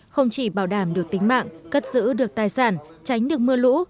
không chỉ bảo đảm được tính mạng cất giữ được tài sản tránh được mưa lũ